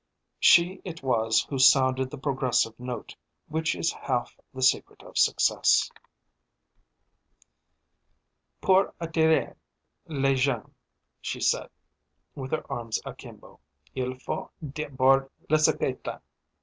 She it was who sounded the progressive note, which is half the secret of success. "Pour attirer les gens," she said, with her arms akimbo, "il faut d'abord les épater."